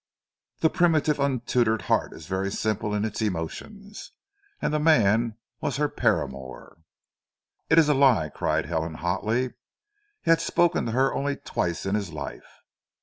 The primitive, untutored heart is very simple in its emotions and the man was her paramour!" "It is a lie!" cried Helen hotly. "He had spoken to her only twice in his life."